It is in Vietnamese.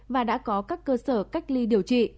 và đã có các cơ sở cách ly điều trị